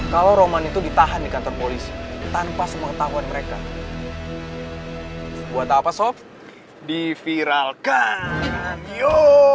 kalau roman itu ditahan di kantor polis tanpa semua ketahuan mereka buat apa sob diviralkan yo